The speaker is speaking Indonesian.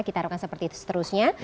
kita harapkan seperti itu seterusnya